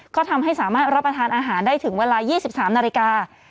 ก็ทำให้สามารถรับประทานอาหารได้ถึงเวลา๒๓นาฬิกา